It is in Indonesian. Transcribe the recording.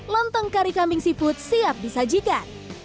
lontong kari kambing seaput siap disajikan